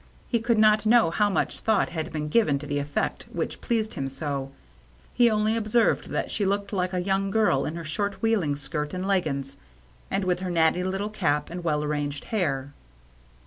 He could not know how much thought had been given to the effect which pleased him so ; he only observed that she looked like a young girl in her short wheeling skirt and leggings, and with her natty little cap and well arranged hair.